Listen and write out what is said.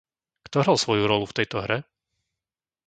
Kto hral svoju rolu v tejto hre?